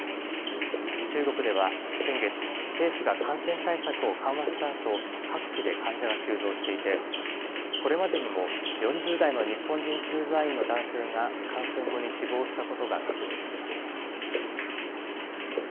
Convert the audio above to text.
中国では先月、政府が感染対策を緩和したあと、各地で患者が急増していて、これまでにも４０代の日本人駐在員の男性が感染後に死亡したことが確認されています。